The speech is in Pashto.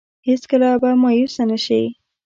هېڅ کله به مايوسه نه شي.